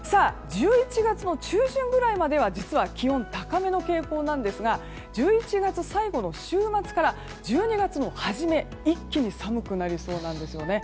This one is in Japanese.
１１月の中旬くらいまでは実は気温が高めの傾向なんですが１１月最後の週末から１２月の初め、一気に寒くなりそうなんですよね。